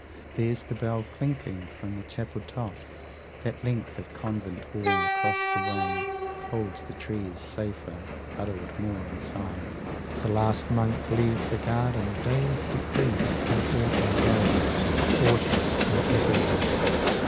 40 There's the bell clinking from the chapel top; That length of convent wall across the way Holds the trees safer, huddled more inside; The last monk leaves the garden; days decrease, And autumn grows, autumn in everything.